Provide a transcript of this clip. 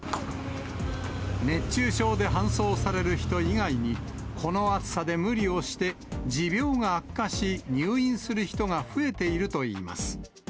熱中症で搬送される人以外に、この暑さで無理をして持病が悪化し、入院する人が増えているといいます。